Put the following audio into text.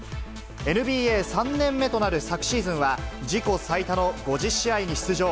ＮＢＡ３年目となる昨シーズンは、自己最多の５０試合に出場。